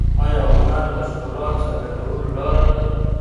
آیا هنر د ښکلا د څرګندولو لاره ده؟